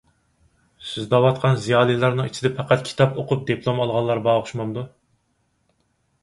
سىز دەۋاتقان زىيالىيلارنىڭ ئىچىدە پەقەت كىتاب ئوقۇپ دىپلوم ئالغانلار بار ئوخشىمامدۇ؟